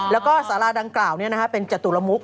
แล้วก็สาราดังกล่าวเป็นจตุลมุก